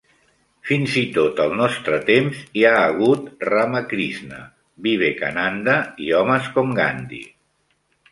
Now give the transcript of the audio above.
Fins i tot al nostre temps hi ha hagut Ramakrishna, Vivekananda i homes com Gandhi.